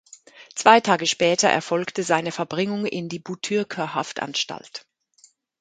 Zwei Tage später erfolgte seine Verbringung in die Butyrka-Haftanstalt.